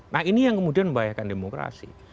nah ini yang kemudian membahayakan demokrasi